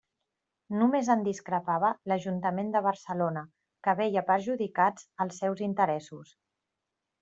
Només en discrepava l'Ajuntament de Barcelona que veia perjudicats els seus interessos.